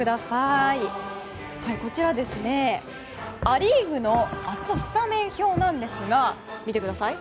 こちら、ア・リーグの明日のスタメン表なんですが見てください。